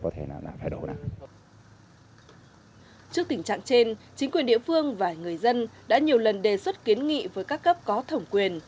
trước tình trạng trên chính quyền địa phương và người dân đã nhiều lần đề xuất kiến nghị với các cấp có thẩm quyền